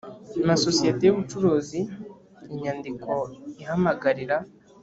amasosiyete y ubucuruzi inyandiko ihamagarira